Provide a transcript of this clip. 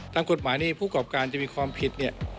ตามกฎหมายนี่ผู้กรอบการจะมีความผิดเนี่ย